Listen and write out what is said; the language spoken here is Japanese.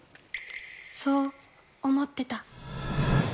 そう思ってた。